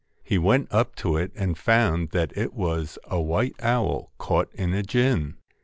He went up to it and found that it was a white owl caught in a gin.